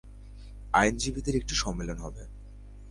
আইনজীবীদের একটি সম্মেলন হবে।